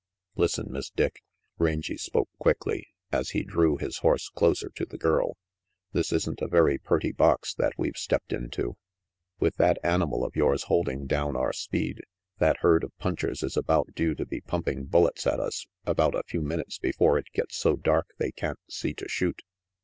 "Listen, Miss Dick," Rangy spoke quickly, as he drew his horse closer to the girl. "This isn't a very purty box that we've stepped into. With that animal of yours holding down cur speed, that herd of punchers is about due to be pumping bullets at us about a few minutes before it gets so dark they can't see to shoot.